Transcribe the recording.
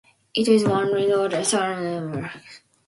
It is one of the oldest, preserved Middle Ages fortresses in Denmark.